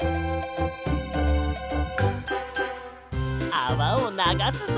あわをながすぞ！